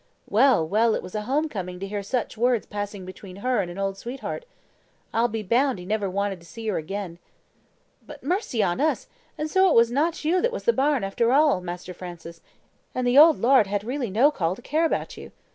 Well, well! it was a home coming to hear such words passing between her and an old sweetheart. I'll be bound he never wanted to see her again. But, mercy on us! and so it was no you that was the bairn after all, Master Francis, and the old laird had really no call to care about you.